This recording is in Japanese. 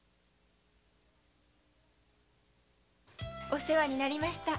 お世話になりました。